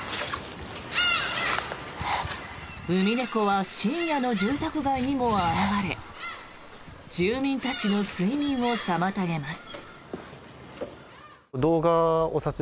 ウミネコは深夜の住宅街にも現れ住民たちの睡眠を妨げます。